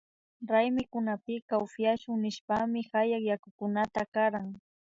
Raymikunapika upyashun nishpami hayak yakukunata karan